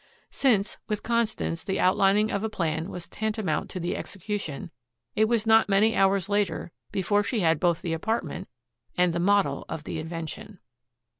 Since, with Constance, the outlining of a plan was tantamount to the execution, it was not many hours later before she had both the apartment and the model of the invention.